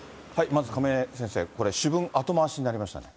まず亀井先生、これ主文後回しになりましたね。